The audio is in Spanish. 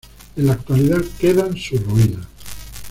En la actualidad quedan sus ruinas.